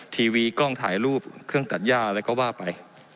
ทีวีกล้องถ่ายรูปเครื่องตัดย่าอะไรก็ว่าไป